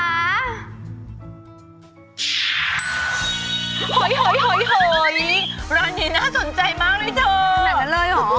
เฮ้ยเห้ยร้านนี้น่าสนใจมากเลยเธอ